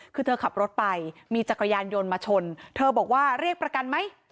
คือเธอขับรถไปมีจักรยานยนต์มาชนเธอบอกว่าเรียกประกันไหม